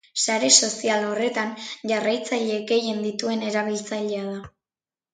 Sare sozial horretan jarraitzaile gehien dituen erabiltzailea da.